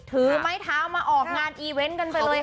ถือไม้เท้ามาออกงานอีเวนต์กันไปเลยค่ะ